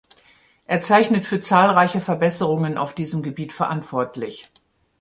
Er zeichnet für zahlreiche Verbesserungen auf diesem Gebiet verantwortlich.